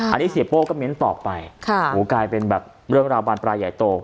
อันนี้เสียโป้ก็เน้นต่อไปกลายเป็นแบบเรื่องราวบานปลายใหญ่โต